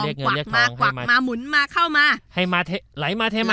เรียกเงินเรียกทองมากกว่ากมาหมุนมาเข้ามาให้มาเทไหลมาเทมา